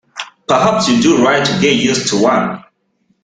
Perhaps you do right to get used to one.